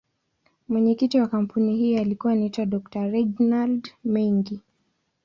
Mwenyekiti wa kampuni hii alikuwa anaitwa Dr.Reginald Mengi.